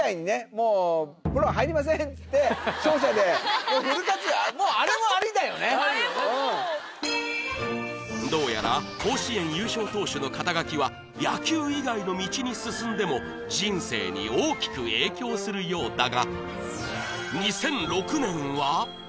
もうあれももうどうやら甲子園優勝投手の肩書は野球以外の道に進んでも人生に大きく影響するようだが２００６年は？